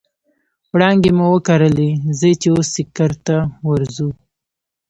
وړانګې مو وکرلې ځي چې اوس یې کرته ورځو